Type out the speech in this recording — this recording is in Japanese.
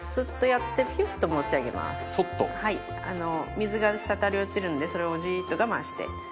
水が滴り落ちるんでそれをじっと我慢して。